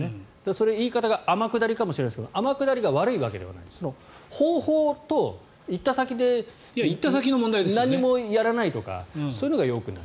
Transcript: それ、言い方が天下りかもしれませんが天下りが悪いわけではない方法と行った先で何もやらないとかそういうのがよくない。